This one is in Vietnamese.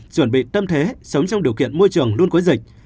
chuẩn bị tâm thế sống trong điều kiện môi trường luôn cuối dịch